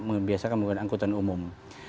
membiasakan menggunakan angkutan umum